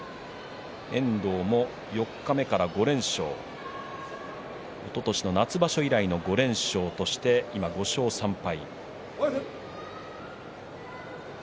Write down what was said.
遠藤も四日目から５連勝おととしの夏場所以来の５連勝として今は５勝３敗。